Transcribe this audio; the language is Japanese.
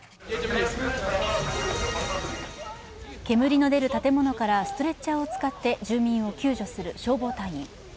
煙の出る建物からストレッチャーを使って住民を救助する消防隊員。